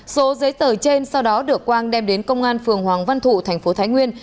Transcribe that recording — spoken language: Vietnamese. số giấy tờ trên sau đó được quang đem đến công an phường hoàng văn thụ thành phố thái nguyên